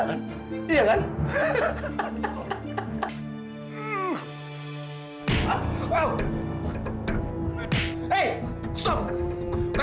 kenapa dia gak kelihatan